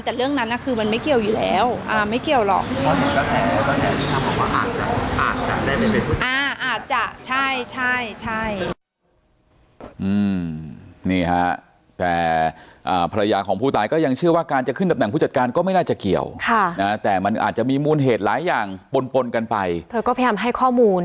แต่เรื่องนั้นคือมันไม่เกี่ยวอยู่แล้วไม่เกี่ยวหรอก